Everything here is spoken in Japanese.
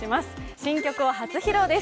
新曲を初披露です。